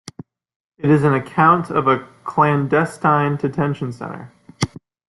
It is an account of a clandestine detention center.